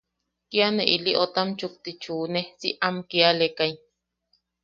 Kia ne ilí otam chukti chune, si am kialekai.